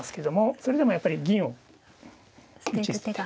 それでもやっぱり銀を打ち捨てて。